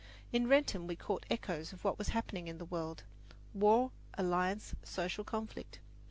In Wrentham we caught echoes of what was happening in the world war, alliance, social conflict.